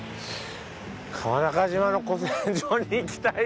川中島の古戦場に行きたい。